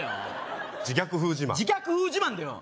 自虐風自慢だよ